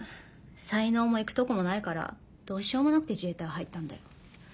才能も行くとこもないからどうしようもなくて自衛隊入ったんだよ。